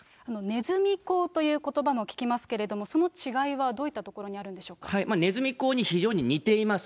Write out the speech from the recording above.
ねずみ講ということばも聞きますけれども、その違いはどういねずみ講に非常に似ています。